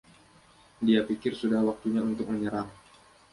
Dia pikir sudah waktunya untuk menyerang.